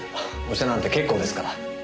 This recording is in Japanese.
お茶なんて結構ですから。